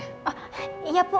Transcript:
oh iya puk